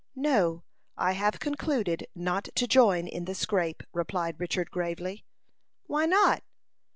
"No; I have concluded not to join in the scrape," replied Richard, gravely. "Why not?"